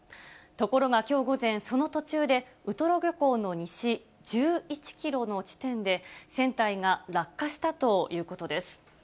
ところが、きょう午前、その途中で、ウトロ漁港の西１１キロの地点で、船体が落下したということです。